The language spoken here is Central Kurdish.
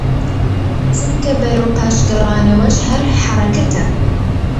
چونکە بەرەو پاش گەڕانەوەش هەر حەرەکەتە